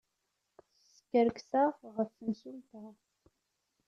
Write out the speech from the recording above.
Skerkseɣ ɣef temsulta.